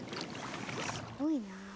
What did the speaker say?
すごいな。